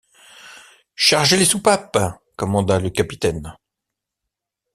Chargez les soupapes », commanda le capitaine.